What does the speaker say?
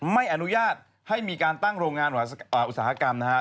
ไม่อนุญาตให้มีการตั้งโรงงานอุตสาหกรรมนะครับ